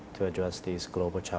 untuk menangani tantangan global ini